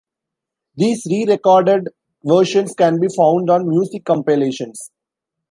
These re-recorded versions can be found on music compilations.